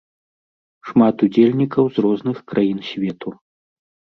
Шмат удзельнікаў з розных краін свету.